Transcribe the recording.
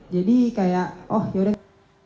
jadi kayak oh yaudah